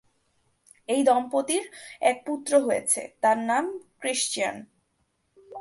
এই দম্পতির এক পুত্র রয়েছে, তার নাম ক্রিশ্চিয়ান।